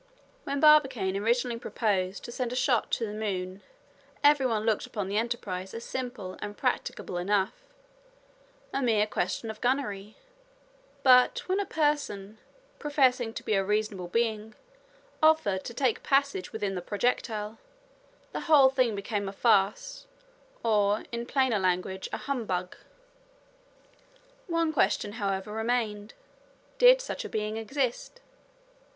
When Barbicane originally proposed to send a shot to the moon every one looked upon the enterprise as simple and practicable enough—a mere question of gunnery; but when a person, professing to be a reasonable being, offered to take passage within the projectile, the whole thing became a farce, or, in plainer language a humbug. One question, however, remained. Did such a being exist?